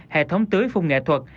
hệ thống tưới phung nghệ thuật